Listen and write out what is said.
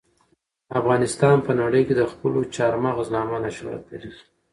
افغانستان په نړۍ کې د خپلو چار مغز له امله شهرت لري.